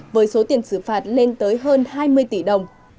với số tiền xử phạt lên tới hơn hai mươi tỷ đồng